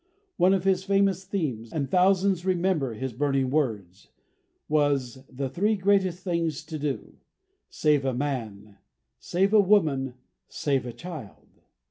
One of his famous themes and thousands remember his burning words was "The Three Greatest Things to Do Save a Man, Save a Woman, Save a Child."